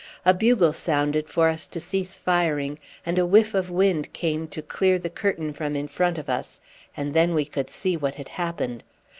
A bugle sounded for us to cease firing, and a whiff of wind came to clear the curtain from in front of us, and then we could see what had happened.